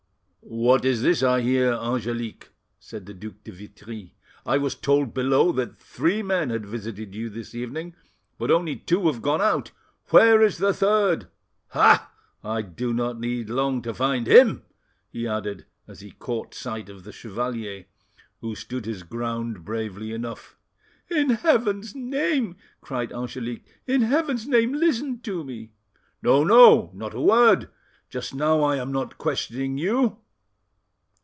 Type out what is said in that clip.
"What is this I hear, Angelique?" said the Duc de Vitry. "I was told below that three men had visited you this evening; but only two have gone out—where is the third? Ha! I do not need long to find him," he added, as he caught sight of the chevalier, who stood his ground bravely enough. "In Heaven's name!" cried Angelique,—"in Heaven's name, listen to me!" "No, no, not a word. Just now I am not questioning you.